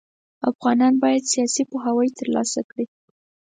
افغانان بايد سياسي پوهاوی ترلاسه کړي.